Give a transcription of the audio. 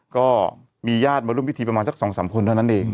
ก็มีญาติมาร่วมพิธีประมาณสัก๒๓คนเท่านั้นเอง